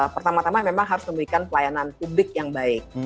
pertama tama memang harus memberikan pelayanan publik yang baik